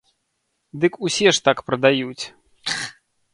Дык усе ж так прадаюць.